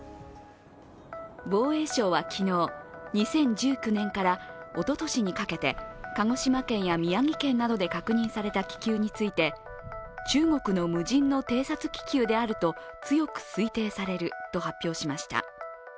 防衛省は昨日、２０１９年からおととしにかけて鹿児島県や宮城県などで確認された気球について中国の無人の偵察気球であると強く推定されると発表しました。